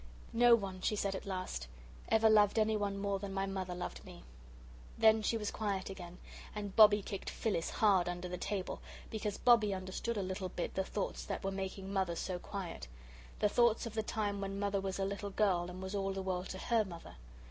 "No one," she said at last, "ever loved anyone more than my mother loved me." Then she was quiet again, and Bobbie kicked Phyllis hard under the table, because Bobbie understood a little bit the thoughts that were making Mother so quiet the thoughts of the time when Mother was a little girl and was all the world to HER mother.